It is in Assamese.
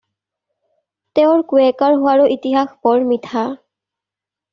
তেওঁৰ কুয়েকাৰ হোৱাৰো ইতিহাস বৰ মিঠা।